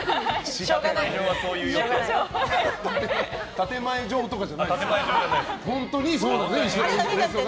建前上とかじゃないんですね。